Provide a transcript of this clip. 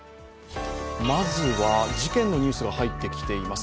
まずは、事件のニュースが入ってきています。